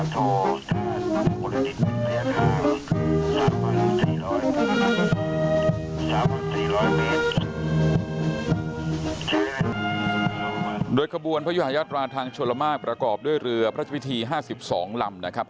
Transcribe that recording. สี่ร้อยเมตรโดยขบวนพระยุหยัตราทางชวรมะประกอบด้วยเรือพระพิธีห้าสิบสองลำนะครับ